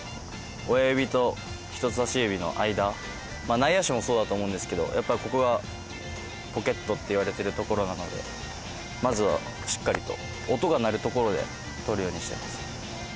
内野手もそうだと思うんですけどやっぱりここがポケットっていわれてるところなのでまずはしっかりと音が鳴るところで捕るようにしてます。